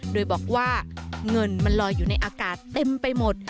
โดยบอกว่าเงินมันลอยอยู่ในอากาศเต็มไปหมด